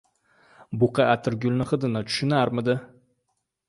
• Buqa atirgulning hidini tushunarmidi?